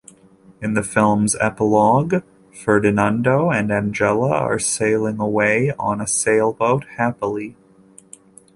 In the film's epilogue, Ferdinando and Angela are sailing away on a sailboat, happily.